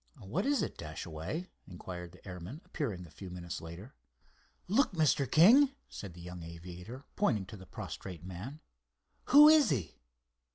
"What is it, Dashaway?" inquired the airman, appearing a few minutes later. "Look, Mr. King," said the young aviator, pointing to the prostrate man; "who is he?"